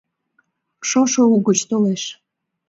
Шошо угыч толеш